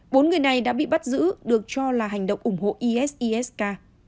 bốn người này đã bị bắt giữ được cho là hành động ủng hộ isis k